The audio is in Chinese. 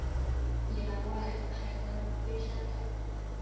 宜兰外海的龟山岛